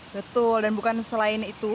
betul dan bukan selain itu